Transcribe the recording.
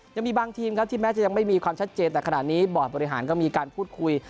ยังมีบางทีมครับที่แม้จะยังไม่มีความชัดเจนแต่ขณะนี้บอร์ดบริหารก็มีการพูดคุย